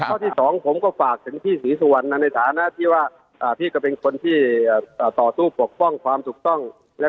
ข้อที่สองผมก็ฝากถึงพี่ศรีสุวรรณในฐานะที่ว่าพี่ก็เป็นคนที่ต่อสู้ปกป้องความถูกต้อง